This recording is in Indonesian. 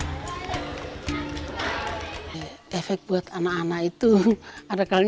di smp negeri haliwen desa kaguna nusa tenggara timur air menjadi barang mewah dan sangat sulit didapatkan